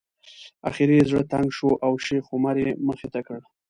اخر یې زړه تنګ شو او شیخ عمر یې مخې ته کړ.